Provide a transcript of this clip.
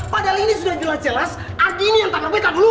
padahal ini sudah jelas jelas agy ini yang tanggap betap duluan